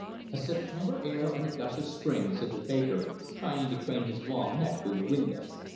"A September air, and a gush of spring," said the baker, trying to crane his long neck through the window.